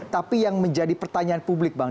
tapi yang menjadi pertanyaan publik bang